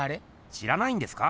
知らないんですか？